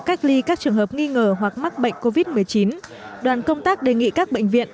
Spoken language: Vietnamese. cách ly các trường hợp nghi ngờ hoặc mắc bệnh covid một mươi chín đoàn công tác đề nghị các bệnh viện